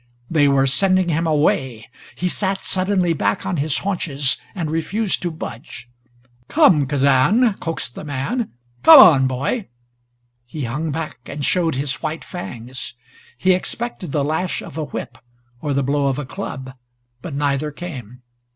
They were sending him away! He sat suddenly back on his haunches and refused to budge. "Come, Kazan," coaxed the man. "Come on, boy." He hung back and showed his white fangs. He expected the lash of a whip or the blow of a club, but neither came.